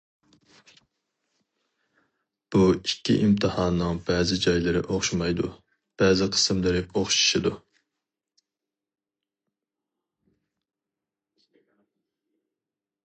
بۇ ئىككى ئىمتىھاننىڭ بەزى جايلىرى ئوخشىمايدۇ، بەزى قىسىملىرى ئوخشىشىدۇ.